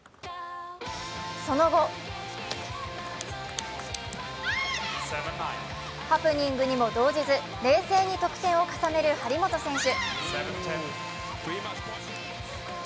その後、ハプニングにも動じず、冷静に得点を重ねる張本選手。